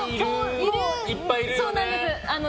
いっぱいいるよね。